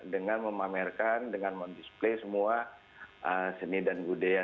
dengan memamerkan dengan mem display semua seni dan budaya